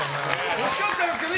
惜しかったんですけどね